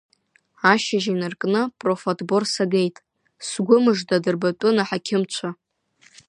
Ашьыжь инаркны профотбор сагеит, сгәы мыжда дырбатәын аҳақьымцәа.